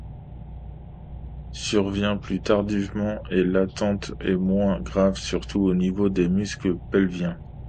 Survient plus tardivement et l'atteinte est moins grave surtout au niveau des muscles pelviens.